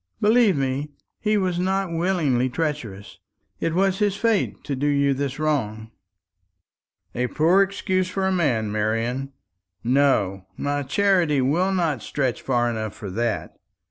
Believe me, he was not willingly treacherous; it was his fate to do you this wrong." "A poor excuse for a man, Marian. No, my charity will not stretch far enough for that.